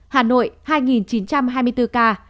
hà nội hai chín trăm hai mươi bốn ca